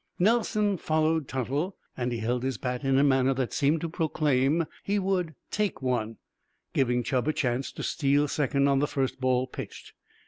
Nelson followed Tuttle, and he held his bat in a manner that seemed to proclaim he would "take one," giving Chub a chance to try to steal second on the first ball pitched.